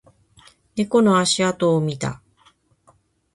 猫の足跡を見た